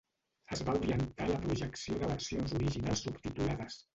Es va orientar a la projecció de versions originals subtitulades.